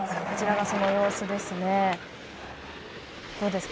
こちらがその様子です。